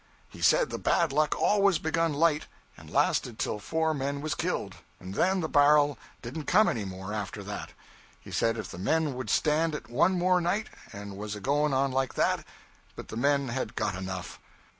He said the bad luck always begun light, and lasted till four men was killed, and then the bar'l didn't come any more after that. He said if the men would stand it one more night, and was a going on like that, but the men had got enough.